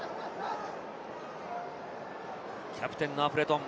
キャプテンのアプレトン。